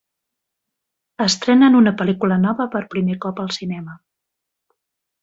Estrenen una pel·lícula nova per primer cop al cinema.